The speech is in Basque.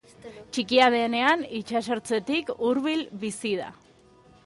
Txikia denean itsasertzetik hurbil bizi da.